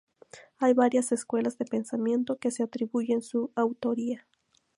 Hay varias escuelas de pensamiento que se atribuyen su autoría.